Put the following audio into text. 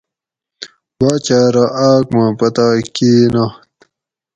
باچہ ارو آۤک ما پتائی کی نات